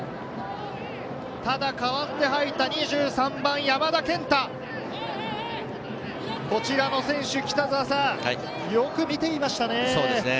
ただ代わって入った２３番・山田兼大、こちらの選手、よく見ていましたね。